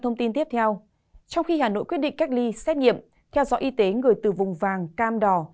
trong khi hà nội quyết định cách ly xét nghiệm theo dõi y tế người từ vùng vàng cam đỏ